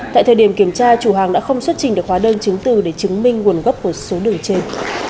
tại thời điểm kiểm tra chủ hàng đã không xuất trình được hóa đơn chứng từ để chứng minh nguồn gốc của số đường trên